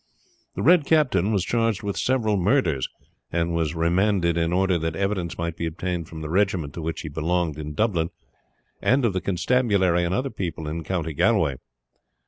The Red Captain was charged with several murders, and was remanded in order that evidence might be obtained from the regiment to which he belonged in Dublin, and of the constabulary and other people in County Galway.